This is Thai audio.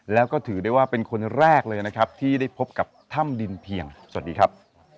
แล้วก็ถือได้ว่าเป็นคนแรกเลยนะครับที่ได้พบกับถ้ำดินเพียงสวัสดีครับ